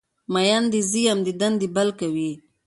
مین دی زه یم دیدن دی بل کوی